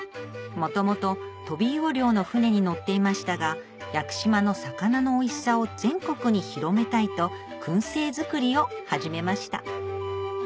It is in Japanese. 元々トビウオ漁の船に乗っていましたが屋久島の魚のおいしさを全国に広めたいと燻製作りを始めました